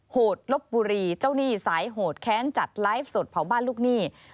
โหดลบบุรีเจ้าหนี้สายโหดแค้นจัดไลฟ์สดเผาบ้านลูกหนี้